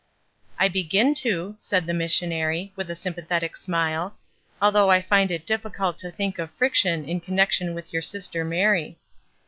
'' "I begin to," said the missionary, with a sympathetic smile, "although I find it diffi cult to think of friction in connection with your sister Mary."